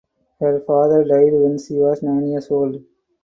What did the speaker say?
Her father died when she was nine years old.